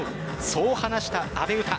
そう話した阿部詩。